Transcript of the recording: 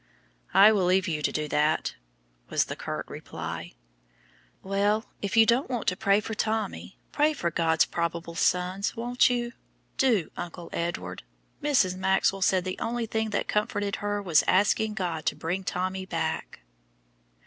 "I will leave you to do that," was the curt reply. "Well, if you don't want to pray for Tommy, pray for God's probable sons, won't you? Do, Uncle Edward. Mrs. Maxwell said the only thing that comforted her is asking God to bring Tommy back."